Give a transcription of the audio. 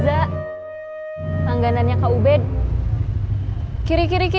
semoga makanya gw tak ada masalahnya daran buat main wc